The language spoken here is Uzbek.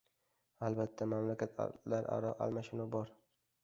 Albatta, mamlakatlararo almashuv bor.